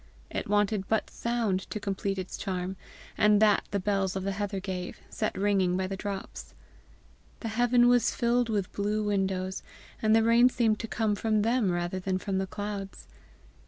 It wanted but sound to complete its charm, and that the bells of the heather gave, set ringing by the drops. The heaven was filled with blue windows, and the rain seemed to come from them rather than from the clouds.